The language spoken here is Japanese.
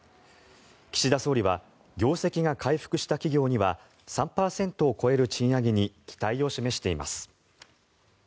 岸田総理は業績が回復した企業には３％を超える賃上げに期待を示しています。